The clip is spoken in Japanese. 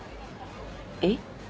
えっ？